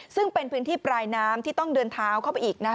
ซึ่งเป็นพื้นที่ปลายน้ำที่ต้องเดินเท้าเข้าไปอีกนะครับ